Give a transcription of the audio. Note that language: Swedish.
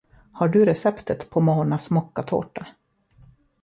Har du receptet på Monas mockatårta?